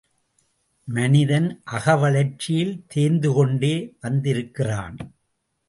மனிதன் அகவளர்ச்சியில் தேய்ந்து கொண்டே வந்திருக்கிறான்.